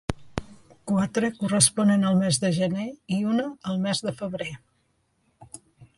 Quatre corresponen al mes de gener i una al mes de febrer.